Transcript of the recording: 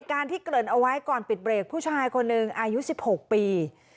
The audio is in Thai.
การที่เกริ่นเอาไว้ก่อนปิดเบรกผู้ชายคนหนึ่งอายุ๑๖ปี